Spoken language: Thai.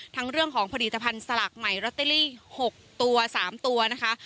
ทั้งเรื่องของผลิตภัณฑ์สลักใหม่รอเตอรี่หกตัวสามตัวนะคะ